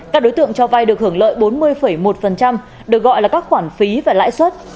các đối tượng cho vay được hưởng lợi bốn mươi một được gọi là các khoản phí và lãi suất